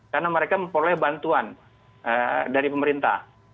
karena mereka memperoleh bantuan dari pemerintah